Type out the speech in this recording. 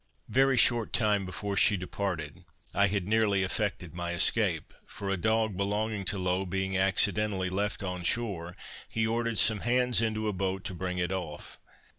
Very short time before she departed, I had nearly effected my escape; for a dog belonging to Low being accidentally left on shore, he ordered some hands into a boat to bring it off.